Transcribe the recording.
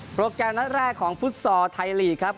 โปรแกรมนัดแรกของฟุตซอร์ไทยลีกครับ